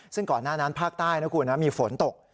ซึ่งก่อนหน้านั้นภาคใต้นะคุณมีฝนตก